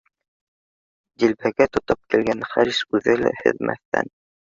Дилбегә тотоп килгән Харис, үҙе лә һиҙмәҫтән: